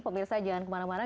pemirsa jangan kemana mana